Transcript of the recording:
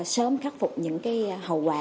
sớm khắc phục những cái hậu quả